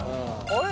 あれ？